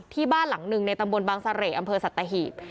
ที่บ้านหลังหนึ่งในตำบลบางเสร่อำเภอสัตหีบ